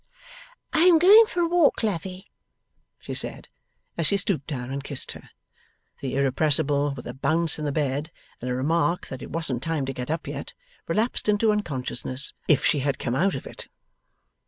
'I am going for a walk, Lavvy,' she said, as she stooped down and kissed her. The Irrepressible, with a bounce in the bed, and a remark that it wasn't time to get up yet, relapsed into unconsciousness, if she had come out of it.